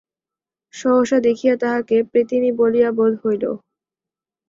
সহসা দেখিয়া তাহাকে প্রেতিনী বলিয়া বোধ হইল।